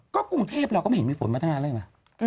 ก็กรุงเทพฯเราก็ไม่เห็นมีฝนมาทางอะไรหรือเปล่า